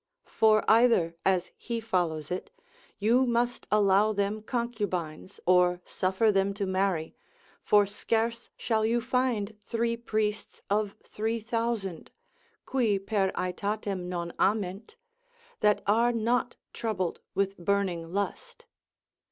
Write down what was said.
For either, as he follows it, you must allow them concubines, or suffer them to marry, for scarce shall you find three priests of three thousand, qui per aetatem non ament, that are not troubled with burning lust.